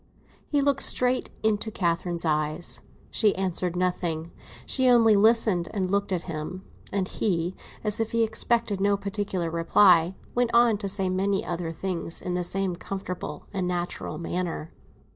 He looked straight into Catherine's eyes. She answered nothing; she only listened, and looked at him; and he, as if he expected no particular reply, went on to say many other things in the same comfortable and natural manner.